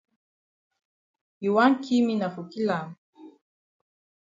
You wan ki me na for kill am.